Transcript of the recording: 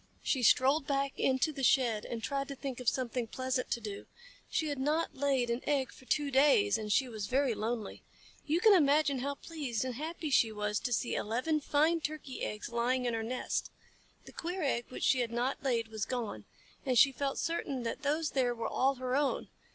She strolled back into the shed and tried to think of something pleasant to do. She had not laid an egg for two days, and she was very lonely. You can imagine how pleased and happy she was to see eleven fine Turkey eggs lying in her nest. The queer egg which she had not laid was gone, and she felt certain that those there were all her own.